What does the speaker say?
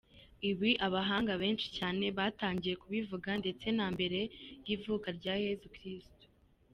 Ibi abahanga benshi cyane batangiye kubivuga ndetse na mbere y’ivuka rya Yezu Kristu.